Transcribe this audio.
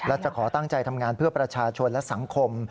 และจะขอตั้งใจทำงานเพื่อประชาชนและสังคม